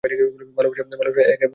ভালোবাসা এক এবং বিবাহ করা আর।